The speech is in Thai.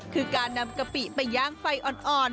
คือการนำกะปิไปย่างไฟอ่อน